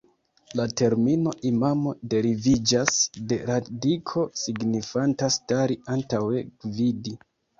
La termino "imamo" deriviĝas de radiko signifanta "stari antaŭe, gvidi".